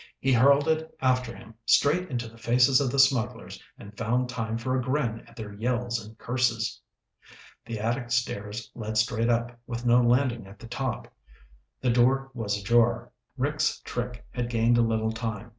He hurled it after him, straight into the faces of the smugglers and found time for a grin at their yells and curses. The attic stairs led straight up, with no landing at the top. The door was ajar. Rick's trick had gained a little time.